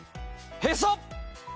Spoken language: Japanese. へそ！